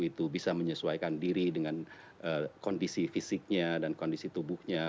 jadi itu bisa menyesuaikan diri dengan kondisi fisiknya dan kondisi tubuhnya